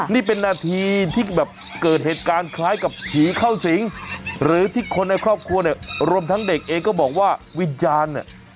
นี่เป็นนาทีที่แบบเกิดเหตุการณ์คล้ายกับผีเข้าสิงหรือที่คนในครอบครัวเนี่ยรวมทั้งเด็กเองก็บอกว่าวิญญาณเนี่ย